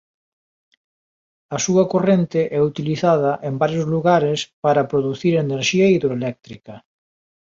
A súa corrente é utilizada en varios lugares par producir enerxía hidroeléctrica.